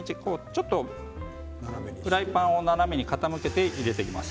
ちょっとフライパンを斜めに傾けて入れます。